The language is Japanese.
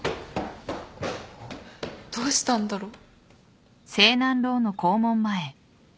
どうしたんだろう？